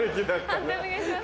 判定お願いします。